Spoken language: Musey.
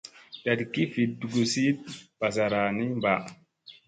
Ndat gi vi nduziyut bazara ni mba.